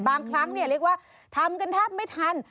บางครั้งเรียกว่าทำกันทับไม่ทัน